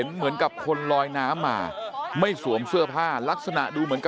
อุ้มขึ้นมาจากแม่น้ำนาฬนะฮะ